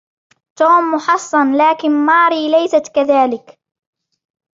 توم محصن ، لكن ماري ليست كذلك.